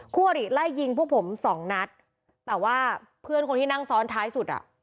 คู่อริไล่ยิงพวกผมสองนัดแต่ว่าเพื่อนคนที่นั่งซ้อนท้ายสุดอ่ะ